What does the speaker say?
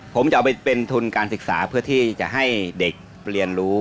ผมจะเอาไปเป็นทุนการศึกษาเพื่อที่จะให้เด็กเรียนรู้